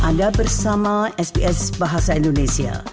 anda bersama sps bahasa indonesia